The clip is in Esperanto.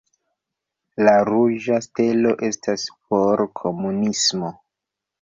La ruĝa stelo estas por Komunismo.